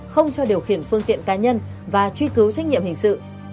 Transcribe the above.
không cho điều khiển phương tiện cá nhân và truy cứu trách nhiệm hình sự